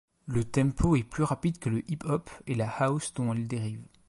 Le tempo est plus rapide que le hip-hop et la house dont elle dérive.